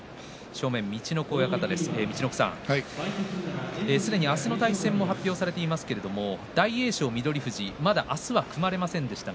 陸奥さん、すでに明日の取組が発表されていますが大栄翔、翠富士まだ明日は組まれませんでした。